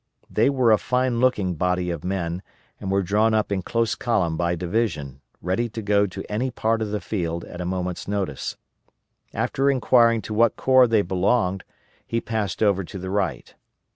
They were a fine looking body of men, and were drawn up in close column by division, ready to go to any part of the field at a moment's notice. After inquiring to what corps they belonged he passed over to the right.